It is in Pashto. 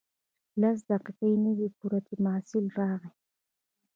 لس دقیقې نه وې پوره چې محصل راغی.